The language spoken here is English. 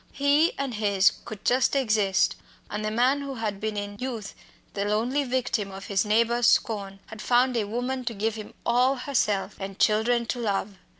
He and his could just exist, and the man who had been in youth the lonely victim of his neighbours' scorn had found a woman to give him all herself and children to love.